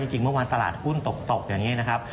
จริงเมื่อวานตลาดหุ้นตกอย่างนี้นะครับ